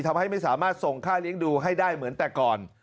ทำให้ไม่สามารถส่งค่าเลี้ยงดูให้ได้เหมือนแต่ก่อน